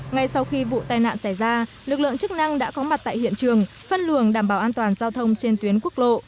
ngay sau khi vụ tai nạn xảy ra lực lượng chức năng đã có mặt tại hiện trường phân luồng đảm bảo an toàn giao thông trên tuyến quốc lộ